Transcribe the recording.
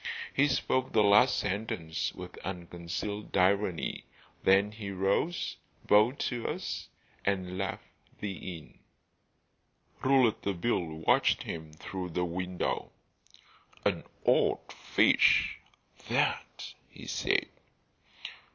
He spoke the last sentence with unconcealed irony. Then he rose, bowed to us, and left the inn. Rouletabille watched him through the window. "An odd fish, that!" he said.